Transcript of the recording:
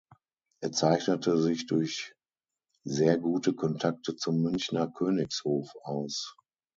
Er zeichnete sich durch sehr gute Kontakte zum Münchener Königshof aus.